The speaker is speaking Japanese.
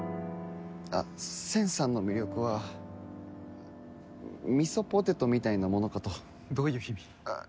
センさんの魅力はみそポテトみたいなものかとどういう意味？